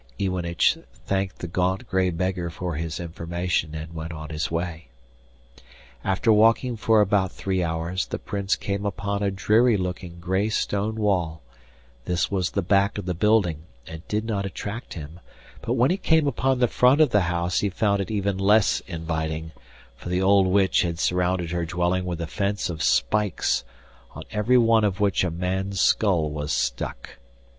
Iwanich thanked the gaunt grey beggar for his information, and went on his way. After walking for about three hours the Prince came upon a dreary looking grey stone wall; this was the back of the building and did not attract him; but when he came upon the front of the house he found it even less inviting, for the old witch had surrounded her dwelling with a fence of spikes, on every one of which a man's skull was stuck.